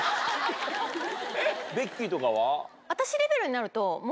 ベッキーとかは？